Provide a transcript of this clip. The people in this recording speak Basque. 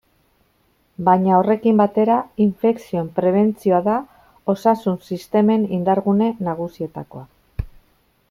Baina horrekin batera, infekzioen prebentzioa da osasun-sistemen indar-gune nagusietakoa.